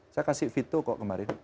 saya kasih vito kok kemarin